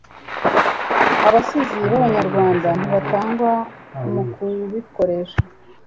abasizi b'abanyarwanda ntibatangwa mu kubikoresha